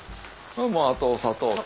あとお砂糖と。